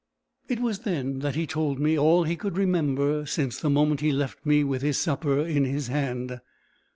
It was then he told me all he could remember since the moment he left me with his supper in his hand.